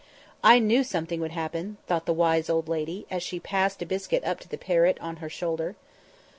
"I knew something would happen," thought the wise old lady, as she passed a biscuit up to the parrot on her shoulder.